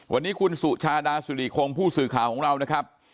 วันนี้คุณสุชาดาสุริคงผู้สื่อข่าวของเรานะครับ